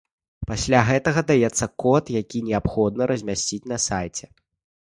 Пасля гэтага даецца код, які неабходна размясціць на сайце.